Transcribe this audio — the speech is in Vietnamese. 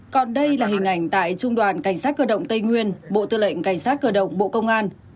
còn đây là hình ảnh tại trung đoàn cảnh sát cơ động tây nguyên bộ tư lệnh cảnh sát cơ động bộ công an